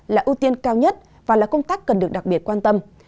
là ưu tiên cao nhất và là công tác cần được đặc biệt quan tâm